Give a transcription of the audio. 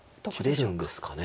切れるんですかね。